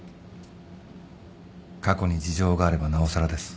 過去に事情があればなおさらです。